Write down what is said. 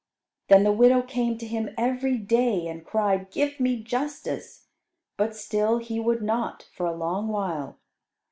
Then the widow came to him every day and cried, "Give me justice;" but still he would not for a long while.